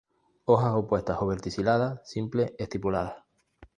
Hojas opuestas o verticiladas, simples, estipuladas.